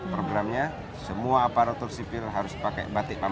programnya semua aparatur sipil harus pakai batik